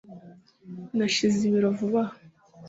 nashize ibiro vuba aha